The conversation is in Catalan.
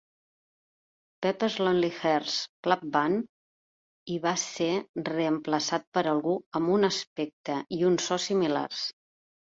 Pepper's Lonely Hearts Club Band i va ser reemplaçat per algú amb un aspecte i un so similars.